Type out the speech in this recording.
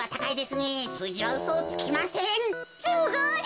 すごい！